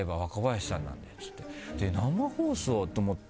「生放送？」と思って